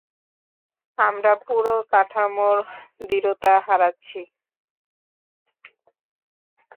আমরা পুরো কাঠামোর দৃঢ়তা হারাচ্ছি!